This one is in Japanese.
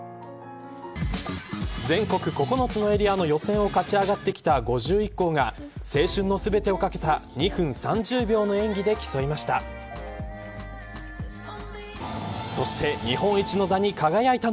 全国９つのエリアの予選を勝ち上がってきた５１校が青春のすべてをかけた２分３０秒の演技で競いました。